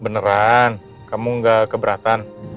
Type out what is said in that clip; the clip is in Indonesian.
beneran kamu gak keberatan